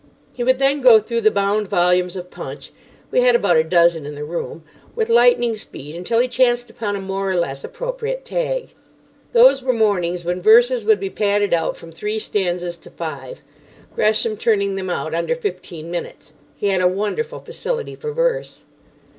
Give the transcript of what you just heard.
He would then go through the bound volumes of Punch—we had about a dozen in the room—with lightning speed until he chanced upon a more or less appropriate tag. Those were mornings when verses would be padded out from three stanzas to five, Gresham turning them out under fifteen minutes. He had a wonderful facility for verse.